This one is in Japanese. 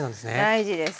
大事です。